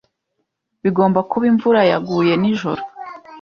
Bigomba kuba imvura yaguye nijoro.